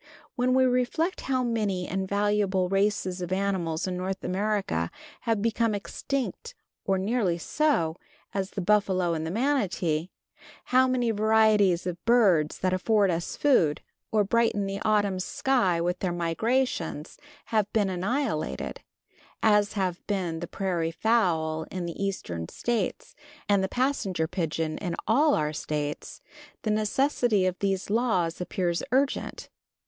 When we reflect how many and valuable races of animals in North America have become extinct or nearly so, as the buffalo and the manatee; how many varieties of birds that afforded us food, or brightened the autumn sky with their migrations, have been annihilated, as have been the prairie fowl in the Eastern States and the passenger pigeon in all our States, the necessity of these laws appears urgent.